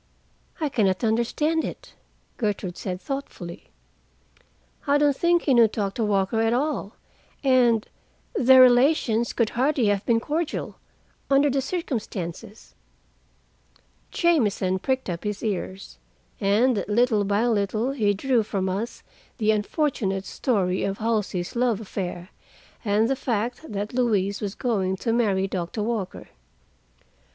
"I can not understand it," Gertrude said thoughtfully. "I don't think he knew Doctor Walker at all, and—their relations could hardly have been cordial, under the circumstances." Jamieson pricked up his ears, and little by little he drew from us the unfortunate story of Halsey's love affair, and the fact that Louise was going to marry Doctor Walker.